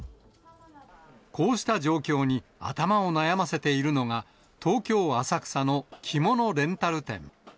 こうした状況に、頭を悩ませているのが、東京・浅草の着物レンタル店。